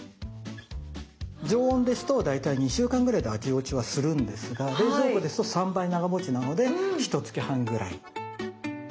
常温ですと大体２週間ぐらいで味落ちはするんですが冷蔵庫ですと３倍長もちなのでひとつき半ぐらい。